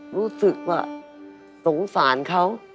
รู้สึกว่าสงสารเขา